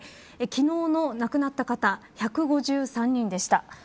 昨日の亡くなった方１５３人でした。